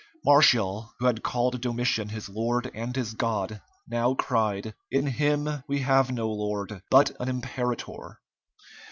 Martial, who had called Domitian his lord and his god, now cried, "In him we have no lord, but an imperator!"